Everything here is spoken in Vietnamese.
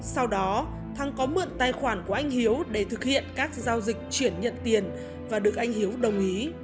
sau đó thăng có mượn tài khoản của anh hiếu để thực hiện các giao dịch chuyển nhận tiền và được anh hiếu đồng ý